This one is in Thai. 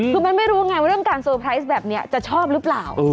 คือมันไม่รู้ไงว่าเรื่องการเซอร์ไพรส์แบบนี้จะชอบหรือเปล่า